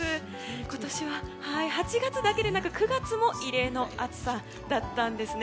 今年は８月だけでなく９月も異例の暑さだったんですね。